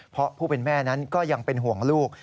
เพราะผู้เป็นแม่นั้นก็ยังเป็นห่วงลูก